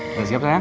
udah siap sayang